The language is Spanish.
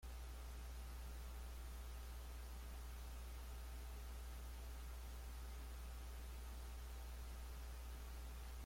Algunos resultados alentadores ya se han alcanzado.